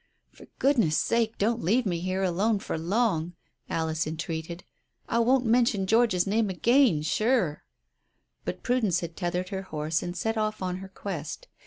"For goodness' sake don't leave me here alone for long," Alice entreated. "I won't mention George's name again, sure." But Prudence had tethered her horse and set off on her quest.